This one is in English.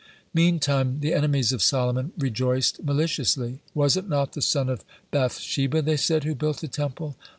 Meantime the enemies of Solomon rejoiced maliciously. "Was it not the son of Bath sheba," they said, "who built the Temple?